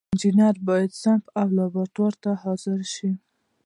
انجینر باید صنف او لابراتوار ته حاضر شي.